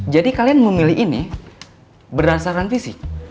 jadi kalian memilih ini berdasarkan visi